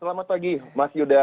selamat pagi mas yuda